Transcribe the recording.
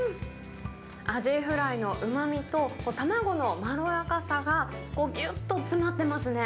アジフライのうまみと、卵のまろやかさが、ぎゅっと詰まってますね。